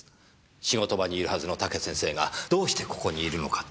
仕事場にいるはずの武先生がどうしてここにいるのかと。